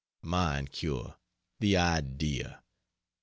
Mind cure! the idea!